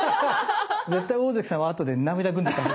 絶対大関さんはあとで涙ぐんでた。